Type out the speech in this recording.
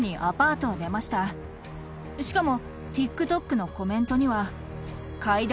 しかも。